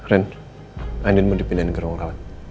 ren ainin mau dipindahin ke ruang kawat